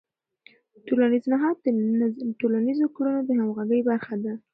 ټولنیز نهاد د ټولنیزو کړنو د همغږۍ برخه ده.